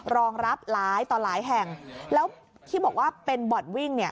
รองรับหลายต่อหลายแห่งแล้วที่บอกว่าเป็นบ่อนวิ่งเนี่ย